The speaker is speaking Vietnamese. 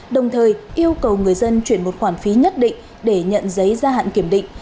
đồng thời yêu cầu người dân chuyển một khoản phí nhất định để nhận giấy ra hạn kiểm định